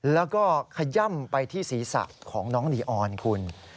แล้วก็ขย่ำไปที่ศีรษะของน้องนีออนคุณ